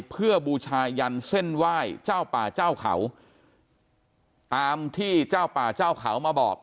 เพื่อบูชายันเส้นไหว้เจ้าป่าเจ้าเขาตามที่เจ้าป่าเจ้าเขามาบอก